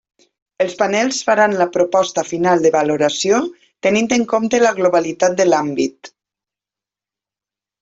Els panels faran la proposta final de valoració tenint en compte la globalitat de l'àmbit.